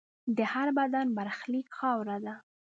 د هر بدن برخلیک خاوره ده.